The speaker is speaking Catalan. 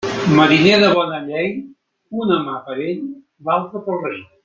Mariner de bona llei, una mà per ell; l'altra, pel rei.